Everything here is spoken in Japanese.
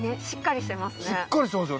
しっかりしてますよね。